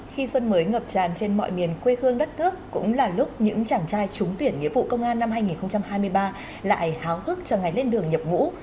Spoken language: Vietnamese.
khi xuân mới ngập tràn trên mọi miền quê hương đất nước cũng là lúc những chàng trai trúng tuyển nghĩa vụ công an năm hai nghìn hai mươi ba lại háo hức cho ngày lên đường nhập ngũ